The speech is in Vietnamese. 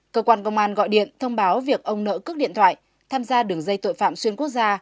cơ quan công an gọi điện thông báo việc ông nợ cước điện thoại tham gia đường dây tội phạm xuyên quốc gia